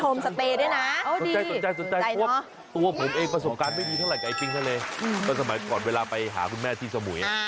ก็เหมือนกับไอ้ปริงทะเลตอนสมัยก่อนเวลาไปหาคุณแม่ที่สมุย